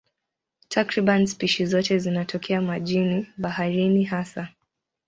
Takriban spishi zote zinatokea majini, baharini hasa.